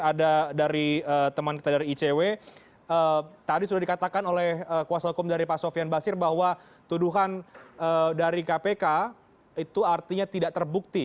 ada dari teman kita dari icw tadi sudah dikatakan oleh kuasa hukum dari pak sofian basir bahwa tuduhan dari kpk itu artinya tidak terbukti